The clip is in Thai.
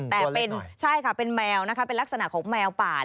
แต่เป็นใช่ค่ะเป็นแมวนะคะเป็นลักษณะของแมวป่า